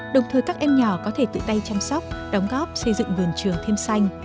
đồng thời các em nhỏ có thể tự tay chăm sóc đóng góp xây dựng vườn trường thêm xanh